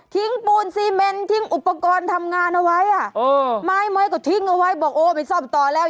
ปูนซีเมนทิ้งอุปกรณ์ทำงานเอาไว้อ่ะไม้ก็ทิ้งเอาไว้บอกโอ้ไปซ่อมต่อแล้ว